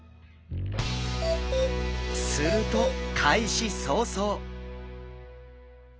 すると開始早々！